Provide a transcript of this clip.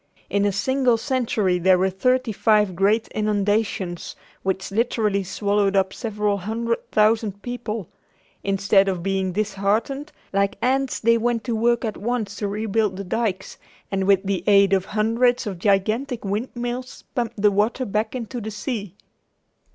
In a single century there were thirty five great inundations which literally swallowed up several hundred thousand people. Instead of being disheartened, like ants, they went to work at once to rebuild the dykes, and with the aid of hundreds of gigantic windmills pumped the water back into the sea.